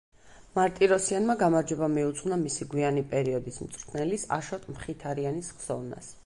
მარტიროსიანმა გამარჯვება მიუძღვნა მისი გვიანი პერიოდის მწვრთნელის, აშოტ მხითარიანის ხსოვნას.